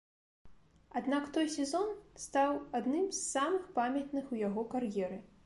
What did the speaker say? Аднак той сезон стаў адным з самых памятных у яго кар'еры.